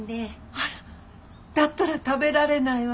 あらだったら食べられないわね。